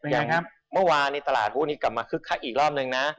ยังเมื่อวานเนี่ยตลาดภูมิกลับมาขึ้นอีกรอบนึงนะ